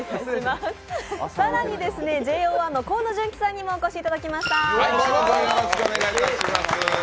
更にＪＯ１の河野純喜さんにもお越しいただきました。